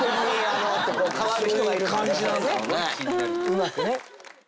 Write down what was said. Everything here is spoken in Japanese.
うまくね。